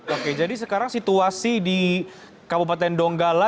oke jadi sekarang situasi di kabupaten donggala